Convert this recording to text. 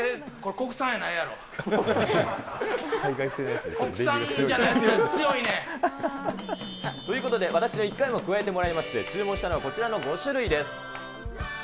国産じゃないやつは強いねん。ということで私の１回も加えてもらいまして、注文したのはこちらの５種類です。